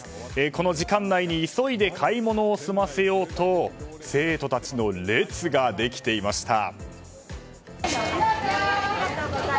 この時間内に急いで買い物を済ませようと生徒たちの列ができていました。